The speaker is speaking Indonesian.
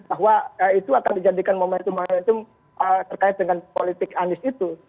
bahwa itu akan dijadikan momentum momentum terkait dengan politik anies itu